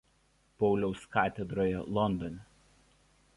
Pauliaus katedroje Londone.